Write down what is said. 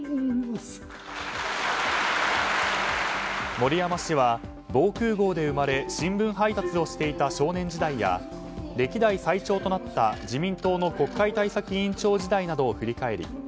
森山氏は防空壕で生まれ新聞配達をしていた少年時代や歴代最長となった、自民党の国会対策委員長時代などを振り返り